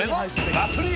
祭り！